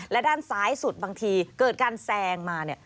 และด้านซ้ายสุดบางทีเกิดการแซงมาเนี่ย